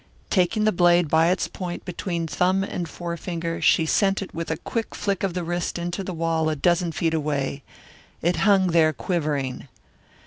Taking the blade by its point between thumb and forefinger she sent it with a quick flick of the wrist into the wall a dozen feet away. It hung there quivering.